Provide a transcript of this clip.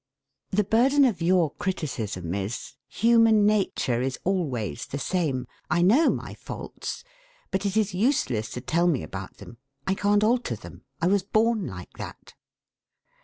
The burden of your criticism is: 'Human nature is always the same. I know my faults. But it is useless to tell me about them. I can't alter them. I was born like that.'